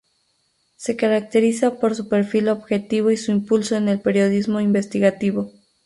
Se caracteriza por su perfil objetivo y su impulso en el periodismo investigativo.